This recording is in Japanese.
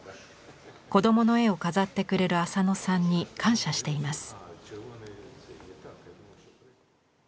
子どもの絵を飾ってくれる浅野さんに感謝しています。